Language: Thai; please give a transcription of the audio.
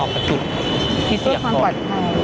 ออกกันจุดที่เสียงก่อน